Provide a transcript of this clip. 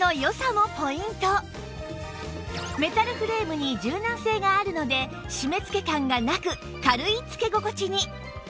メタルフレームに柔軟性があるので締め付け感がなく軽いつけ心地に